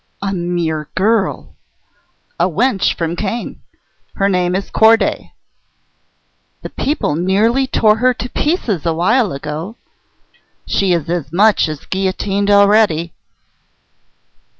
"A mere girl." "A wench from Caen. Her name is Corday." "The people nearly tore her to pieces awhile ago." "She is as much as guillotined already."